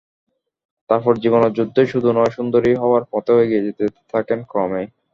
তারপর জীবনের যুদ্ধই শুধু নয়, সুন্দরী হওয়ার পথেও এগিয়ে যেতে থাকেন ক্রমেই।